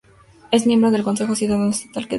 Es miembro del Consejo Ciudadano Estatal de Podemos.